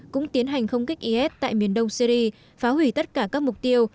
cũng tiến hành không kích is tại miền đông syri phá hủy tất cả các mục tiêu